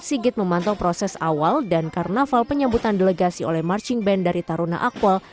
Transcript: sigit memantau proses awal dan karnaval penyambutan delegasi oleh marching band dari taruna akpol